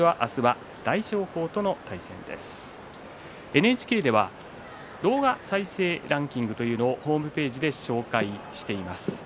ＮＨＫでは動画再生ランキングをホームページで紹介しています。